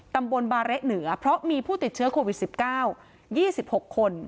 ตำบลบาเละเหนือเพราะมีผู้ติดเชื้อโควิด๑๙๒๖คน